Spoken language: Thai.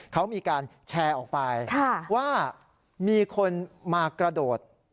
เขามีการแชร์ออกไปว่ามีคนมากระโดด